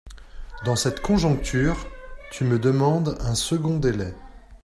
Dans cette conjoncture, tu me demandes un second délai.